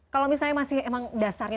kalau misalnya masih emang dasarnya